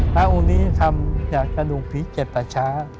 พระอุณิธรรมจากกระดูกผีเก็บตะช้า